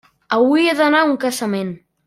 Avui he d'anar a un casament.